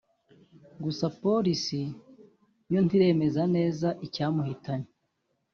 Gusa Polisi yo ntiremeza neza icyamuhitanye